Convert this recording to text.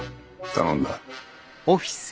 頼んだ。